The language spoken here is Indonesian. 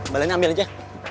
baletnya ambil aja